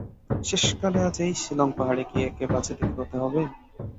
শেষকালে আজ এই শিলঙ পাহাড়ে কি একে বাজিতে খোয়াতে হবে।